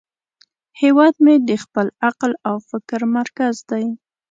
هیواد مې د خپل عقل او فکر مرکز دی